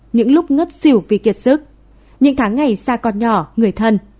những lúc ngất xỉu vì kiệt sức những tháng ngày xa con nhỏ người thân